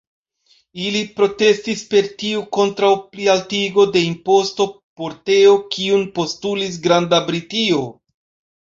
Ili protestis per tio kontraŭ plialtigo de imposto por teo, kiun postulis Granda Britio.